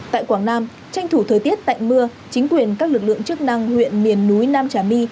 tại quảng nam tranh thủ thời tiết tạnh mưa chính quyền các lực lượng chức năng huyện miền núi nam trà my